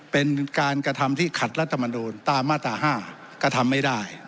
เป็นการกระทำที่ขัดรัฐมนูลตามมาตรา๕กระทำไม่ได้